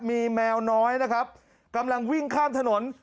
มีแมวน้อยนะครับกำลังวิ่งข้ามถนน